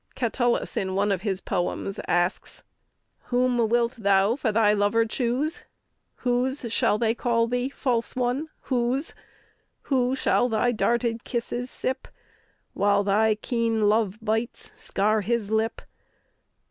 Cattalus, in one of his poems, asks: Whom wilt thou for thy lover choose? Whose shall they call thee, false one, whose? Who shall thy darted kisses sip, While thy keen love bites scar his lip!